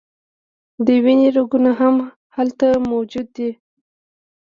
د وینې رګونه هم هلته موجود دي.